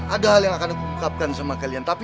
ada hal yang akan kukucapkan sama kalian tapi